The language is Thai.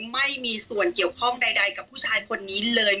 ไม่มีส่วนเกี่ยวข้องใดกับผู้ชายคนนี้เลย